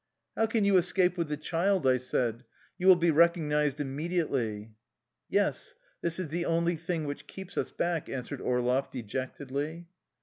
" How can you escape with the child? " I said. " You will be recognized immediately." " Yes, this is the only thing which keeps us back," answered Orloff dejectedly.